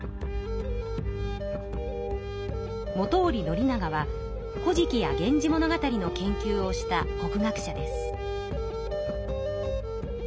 本居宣長は「古事記」や「源氏物語」の研究をした国学者です。